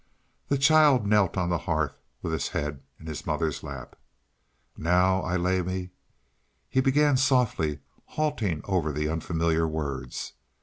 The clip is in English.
The child knelt on the hearth, with his head in his mother's lap. "Now I lay me " he began softly, halting over the unfamiliar words.